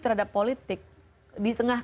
terhadap politik di tengah